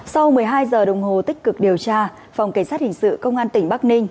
sau một mươi hai giờ đồng hồ tích cực điều tra phòng cảnh sát hình sự công an tỉnh bắc ninh